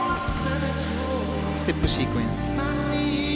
ステップシークエンス。